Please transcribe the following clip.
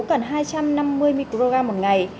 cần hai trăm năm mươi mg một ngày